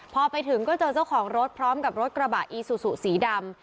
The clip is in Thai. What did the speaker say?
พอไปถึงก็เจอเจ้าของรถพร้อมกับรถกระบะอีซูซูสีดำ